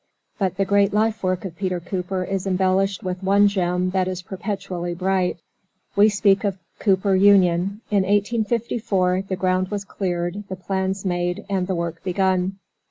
But the great life work of Peter Cooper is embellished with one gem that is perpetually bright. We speak of Cooper Union. In 1854 the ground was cleared, the plans made and the work begun.